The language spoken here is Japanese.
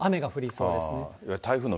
そうですね。